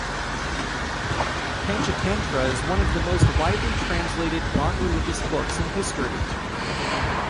Panchatantra is one of the most widely translated non-religious books in history.